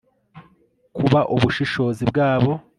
kuba ubushishozi bwabo